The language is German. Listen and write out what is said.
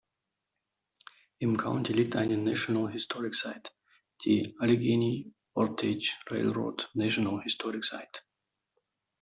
Im County liegt eine National Historic Site, die Allegheny Portage Railroad National Historic Site.